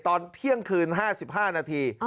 ตอนเที่ยงคืน๕๕นาที